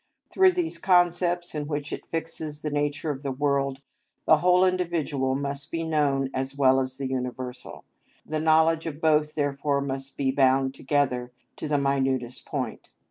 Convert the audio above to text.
Through these concepts, in which it fixes the nature of the world, the whole individual must be known as well as the universal, the knowledge of both therefore must be bound together to the minutest point.